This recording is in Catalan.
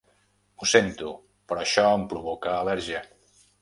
Ho sento, però això em provoca al·lèrgia.